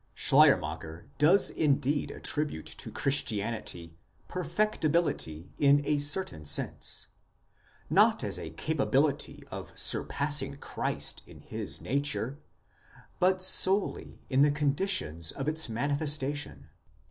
Schleiermacher does indeed attribute to Chris tianity perfectibility in a certain sense: not as a capability of surpassing Christ in his nature, but solely in the conditions of its manifestation.